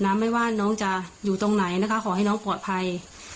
ไม่ว่าน้องจะอยู่ตรงไหนนะคะขอให้น้องปลอดภัย